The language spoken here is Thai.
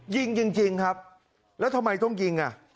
ยิงจริงครับแล้วทำไมต้องยิงอ่ะ